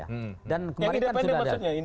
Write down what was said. yang independen maksudnya